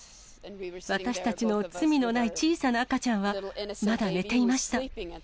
私たちの罪のない小さな赤ちゃんは、まだ寝ていました。